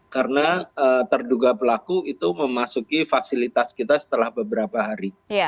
karena terduga pelaku itu memasuki fasilitas kita setelah beberapa hari